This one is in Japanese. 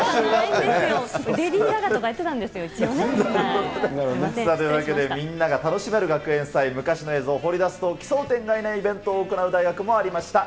レディ・ガガとかやってたんというわけで、みんなが楽しめる学園祭、昔の映像を掘り出すと、奇想天外なイベントを行う大学もありました。